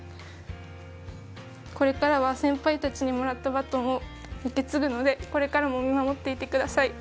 これからは先輩たちにもらったバトンを受け継ぐので、これからも見守っていてください。